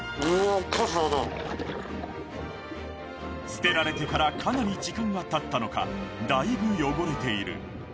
捨てられてからかなり時間が経ったのかだいぶ汚れている